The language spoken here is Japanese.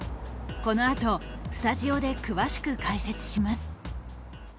このあとスタジオで詳しく解説します。